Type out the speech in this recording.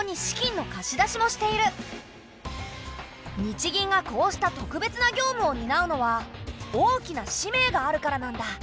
日銀がこうした特別な業務をになうのは大きな使命があるからなんだ。